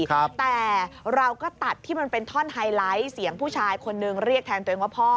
แต่เราก็ตัดที่มันเป็นท่อนไฮไลท์เสียงผู้ชายคนนึงเรียกแทนตัวเองว่าพ่อ